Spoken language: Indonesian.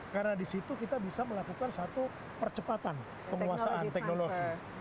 karena di situ kita bisa melakukan satu percepatan penguasaan teknologi